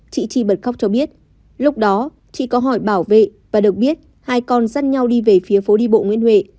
chị chi bật khóc cho biết lúc đó chị có hỏi bảo vệ và được biết hai con dắt nhau đi về phía phố đi bộ nguyễn huệ